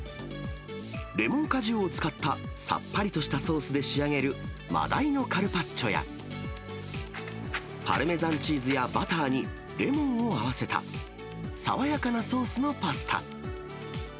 レモン果汁を使ったさっぱりとしたソースで仕上げるマダイのカルパッチョや、パルメザンチーズやバターにレモンを合わせた爽やかなソースのパスタ。